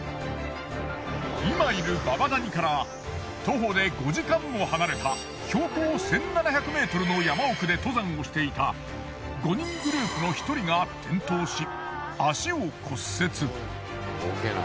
今いる祖母谷から徒歩で５時間も離れた標高１，７００ｍの山奥で登山をしていた５人グループの１人が転倒し足を骨折。